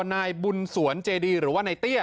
นายบุญสวนเจดีหรือว่านายเตี้ย